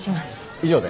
以上で。